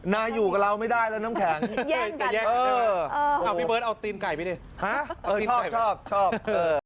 นายอยู่กับเราไม่ได้แล้วน้ำแข็งแย่งกันเออเอาพี่เบิร์ดเอาตีนไก่ไปดิฮะเออชอบชอบชอบเออ